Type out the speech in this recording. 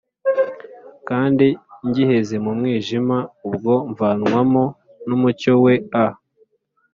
Kandi ngiheze mu Mwijima ubwo, Mvanwamo n'umucyo we.a